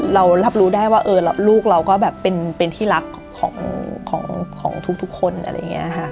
เรารับรู้ได้ว่าลูกเราก็แบบเป็นที่รักของทุกคนอะไรอย่างนี้ค่ะ